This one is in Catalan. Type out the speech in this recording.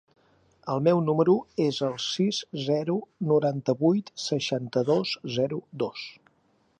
El meu número es el sis, zero, noranta-vuit, seixanta-dos, zero, dos.